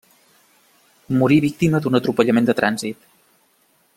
Morí víctima d'un atropellament de trànsit.